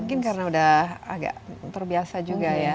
mungkin karena udah agak terbiasa juga ya